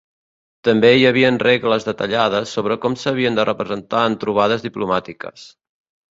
També hi havien regles detallades sobre com s'havien de representar en trobades diplomàtiques.